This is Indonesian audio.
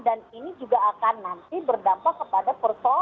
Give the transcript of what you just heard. dan ini juga akan nanti berdampak kepada persoalan